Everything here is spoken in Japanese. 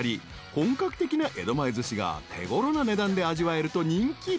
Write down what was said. ［本格的な江戸前ずしが手ごろな値段で味わえると人気］